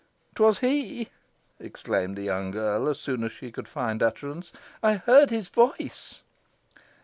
"'Twas he!" exclaimed the young girl, as soon as she could find utterance. "I heard his voice."